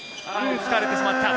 突かれてしまった。